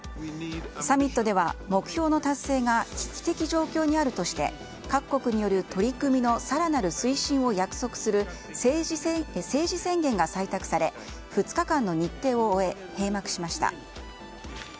サミットでは目標の達成が危機的状況にあるとして各国による取り組みの更なる推進を約束する政治宣言が採択され、２日間の日程を終え閉幕しました。